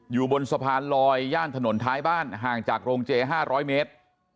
อยู่บนสะพานลอยย่านถนนท้ายบ้านห่างจากโรงเจ๕๐๐เมตร